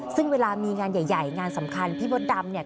ซึ่งเวลามีงานใหญ่งานสำคัญพี่มดดำเนี่ย